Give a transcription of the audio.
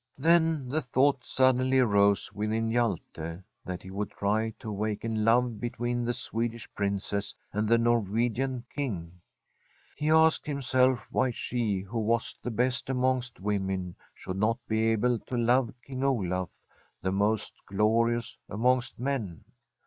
Then the thought suddenly arose within Hjalte that he would try to awaken love be tween the Swedish Princess and the Norwegian King. He asked himself why she, who was the best amongst women, should not be able to love King Olaf, the most glorious amongst men?